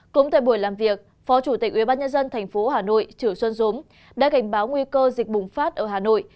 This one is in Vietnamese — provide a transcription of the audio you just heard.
cũng tại buổi làm việc phó chủ tịch ubnd tp hà nội chử xuân dũng đã cảnh báo nguy cơ dịch bùng phát ở hà nội